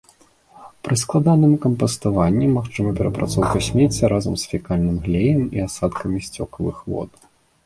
Пры складаным кампаставанні магчыма перапрацоўка смецця разам з фекальным глеем і асадкамі сцёкавых вод.